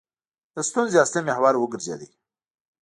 د ستونزې اصلي محور وګرځېد.